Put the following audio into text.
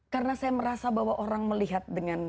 karena saya merasa bahwa orang melihat dengan